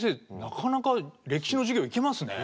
なかなか歴史の授業いけますね。